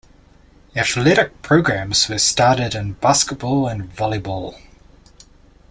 Athletic programs were started in basketball and volleyball.